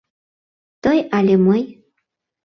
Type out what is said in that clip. Тый але мый?